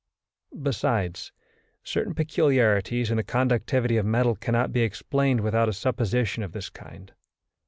Besides, certain peculiarities in the conductivity of metals cannot be explained without a supposition of this kind.